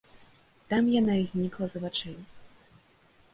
Там яна і знікла з вачэй.